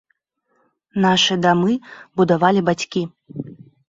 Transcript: Нашы дамы будавалі бацькі.